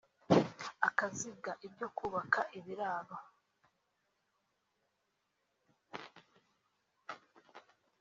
akaziga ibyo kubaka ibiraro